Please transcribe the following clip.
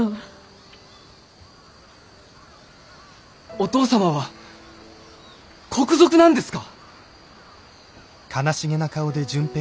お父様は国賊なんですか！？